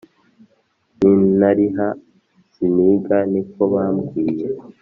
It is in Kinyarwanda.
nintariha siniga niko bambwiye